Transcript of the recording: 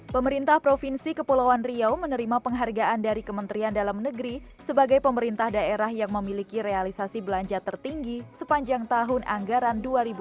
pemerintah provinsi kepulauan riau menerima penghargaan dari kementerian dalam negeri sebagai pemerintah daerah yang memiliki realisasi belanja tertinggi sepanjang tahun anggaran dua ribu dua puluh